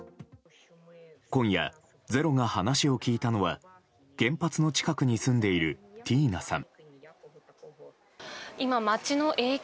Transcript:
今夜、「ｚｅｒｏ」が話を聞いたのは原発の近くに住んでいるティーナさん。